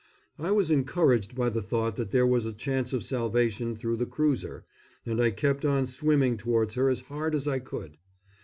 I was encouraged by the thought that there was a chance of salvation through the cruiser, and I kept on swimming towards her as hard as I could.